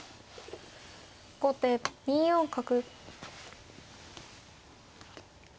後手２四角。